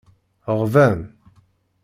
Ɣban.